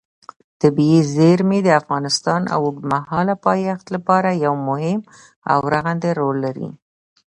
طبیعي زیرمې د افغانستان د اوږدمهاله پایښت لپاره یو مهم او رغنده رول لري.